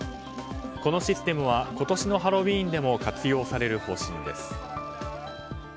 このシステムは今年のハロウィーンでも活用される方針です。